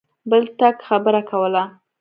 بل ټک خبره کوله.